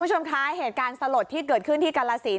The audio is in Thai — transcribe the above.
คุณผู้ชมคะเหตุการณ์สลดที่เกิดขึ้นที่กาลสิน